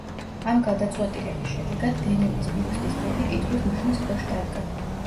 ამ გადაწყვეტილების შედეგად ლენინის ბიუსტის ბედი კითხვის ნიშნის ქვეშ დადგა.